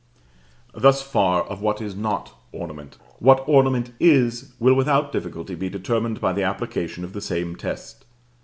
Thus far of what is not ornament. What ornament is, will without difficulty be determined by the application of the same test.